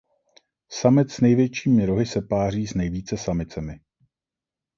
Samec s největšími rohy se páří s nejvíce samicemi.